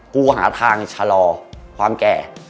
กูหาทางชะลอความแก่